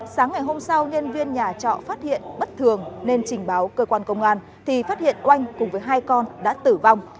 sáng ngày hôm sau nhân viên nhà trọ phát hiện bất thường nên trình báo cơ quan công an thì phát hiện oanh cùng với hai con đã tử vong